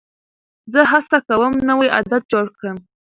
زه هڅه کوم نوی عادت جوړ کړم.